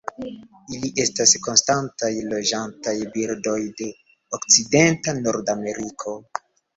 Ili estas konstantaj loĝantaj birdoj de okcidenta Nordameriko.